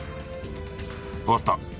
わかった。